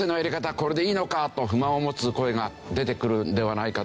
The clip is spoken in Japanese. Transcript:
これでいいのかと不満を持つ声が出てくるのではないかと思うんですね。